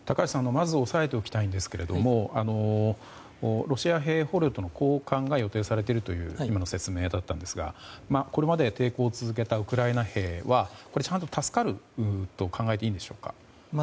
押さえておきたいんですがロシア兵捕虜との交換が予定されているという今の説明だったんですがこれまで抵抗を続けたウクライナ兵はちゃんと助かると考えていいんでしょうか？